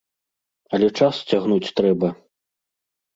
Але час цягнуць трэба.